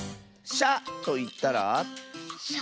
「しゃ」といったら？